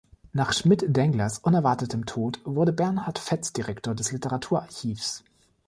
Nach Schmidt-Denglers unerwartetem Tod wurde Bernhard Fetz Direktor des Literaturarchivs.